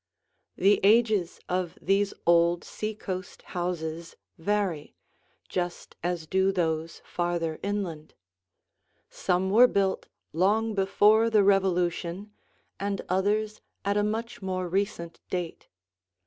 The ages of these old seacoast houses vary just as do those farther inland. Some were built long before the Revolution and others at a much more recent date.